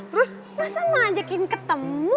terus masa ma ajakin ketemu